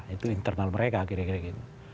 itu internal mereka kira kira gitu